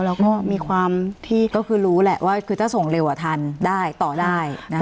แล้วก็มีความที่ก็คือรู้แหละว่าคือถ้าส่งเร็วทันได้ต่อได้